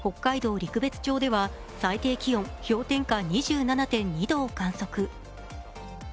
陸別町では、最低気温氷点下２７．２度を観測。